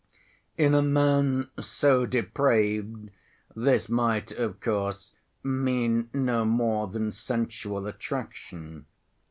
In a man so depraved this might, of course, mean no more than sensual attraction.